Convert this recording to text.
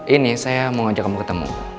ini saya mau ajak kamu ketemu